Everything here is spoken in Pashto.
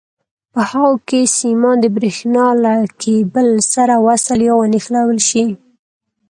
په هغو کې سیمان د برېښنا له کېبل سره وصل یا ونښلول شي.